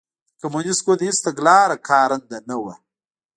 د کمونېست ګوند هېڅ تګلاره کارنده نه وه.